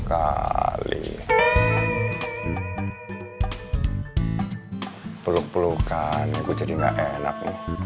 pali peluk pelukan yang kecil enak